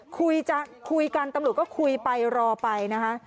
คุยจะคุยกันตำรวจก็คุยไปรอไปนะคะ